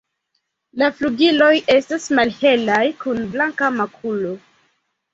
La flugiloj estas malhelaj kun blanka makulo.